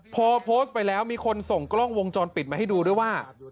พอโพสต์ไปแล้วมีคนส่งกล้องวงจรปิดมาให้ดูด้วยว่า